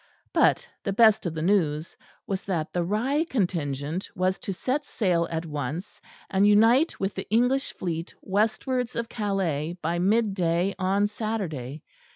But the best of the news was that the Rye contingent was to set sail at once, and unite with the English fleet westward of Calais by mid day on Saturday.